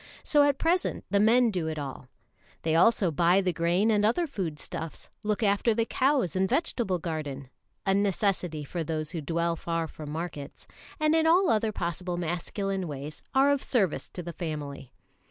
So at present the men do it all. They also buy the grain and other food stuffs, look after the cows and vegetable garden a necessity for those who dwell far from markets and in all other possible masculine ways are of service to the family.